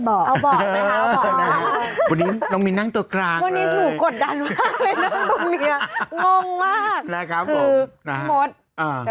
สวัสดีน้องมินท์น้าบูนด้วยนะครับ